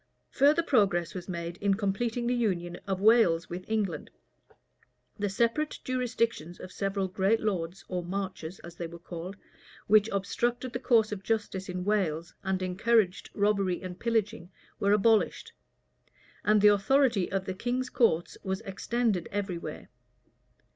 Further progress was made in completing the union of Wales with England: the separate jurisdictions of several great lords, or marchers, as they were called, which obstructed the course of justice in Wales, and encouraged robbery and pillaging, were abolished; and the authority of the king's courts was extended every where.